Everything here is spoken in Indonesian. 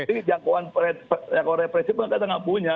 jadi jangkauan repressif kita tidak punya